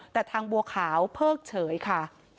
แต่ทางบัวขาวเพิกเฉยค่ะ